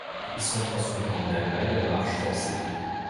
Ils sont transférés en Allemagne à marche forcée.